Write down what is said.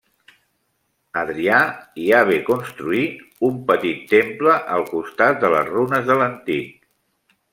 Adrià hi ha ver construir un petit temple al costat de les runes de l'antic.